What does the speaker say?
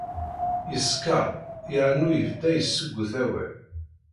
Yeskeṛ yernu yebda yessuggut awal.